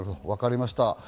わかりました。